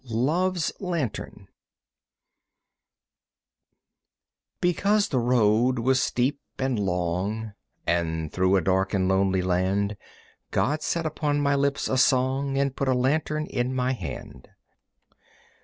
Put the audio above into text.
Love's Lantern (For Aline) Because the road was steep and long And through a dark and lonely land, God set upon my lips a song And put a lantern in my hand.